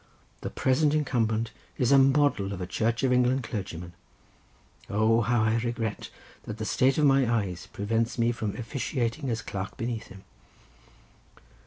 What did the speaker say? The present incumbent is a model of a Church of England clergyman. O, how I regret that the state of my eyes prevents me from officiating as clerk beneath him."